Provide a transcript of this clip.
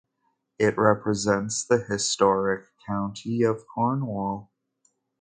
It represents the historic county of Cornwall.